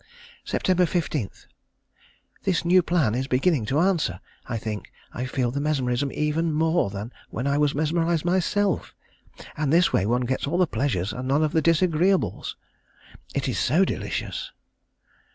Sept. 15. This new plan is beginning to answer. I think I feel the mesmerism even more than when I was mesmerised myself, and this way one gets all the pleasures and none of the disagreeables. It is so delicious.